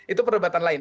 itu perdebatan lain